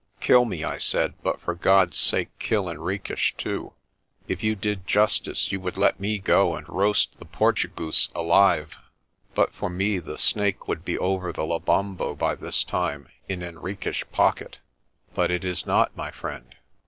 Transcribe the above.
"Kill me," I said, "but for God's sake kill Henriques too. If you did justice you would let me go and roast the Portu goose alive. But for me the Snake would be over the Le bombo by this time in Henriques' pocket." "But it is not, my friend.